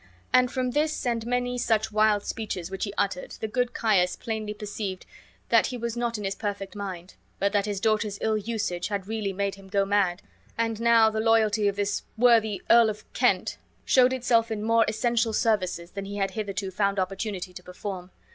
And from this and many such wild speeches which he uttered the good Caius plainly perceived that he was not in his perfect mind, but that his daughters' ill usage had really made him go mad. And now the loyalty of this worthy Earl of Kent showed itself in more essential services than he had hitherto found opportunity to perform.